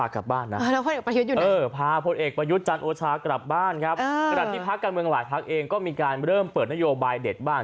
กลับฝักกันมากต่อเลยก็มีการเริ่มเปิดนโยบายเด็ดบ้าน